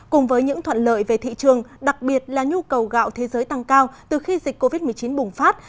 cùng với những thuận lợi về thị trường đặc biệt là nhu cầu gạo thế giới tăng cao từ khi dịch covid một mươi chín bùng phát